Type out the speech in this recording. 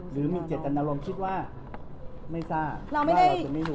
หรือมีเจตนารมณ์คิดว่าไม่ทราบแม่เราจะไม่รู้